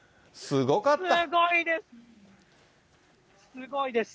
すごいです。